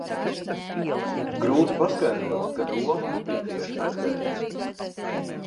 Grūti paskaidrot, ka doma ir tieši pretēja.